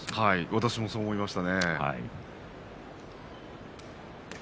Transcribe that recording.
私もそう思いましたね。